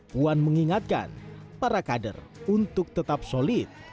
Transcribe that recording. puan mengingatkan para kader untuk tetap solid